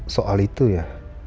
soal itu ya